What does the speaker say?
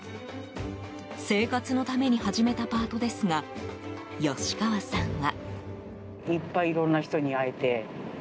生活のために始めたパートですが吉川さんは。